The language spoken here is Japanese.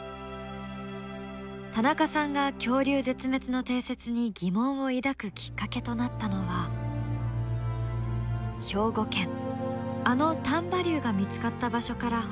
田中さんが恐竜絶滅の定説に疑問を抱くきっかけとなったのは兵庫県あの丹波竜が見つかった場所から掘り出された化石でした。